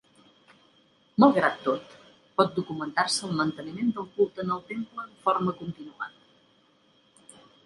Malgrat tot, pot documentar-se el manteniment del culte en el temple de forma continuada.